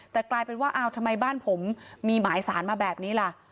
แต่กลายเป็นว่าอ้าวทำไมบ้านผมมีหมายสารมาแบบนี้ล่ะ